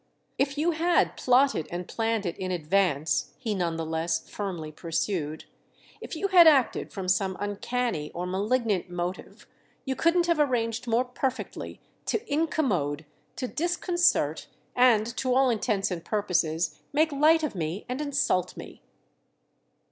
"If you had plotted and planned it in advance," he none the less firmly pursued, "if you had acted from some uncanny or malignant motive, you couldn't have arranged more perfectly to incommode, to disconcert and, to all intents and purposes, make light of me and insult me."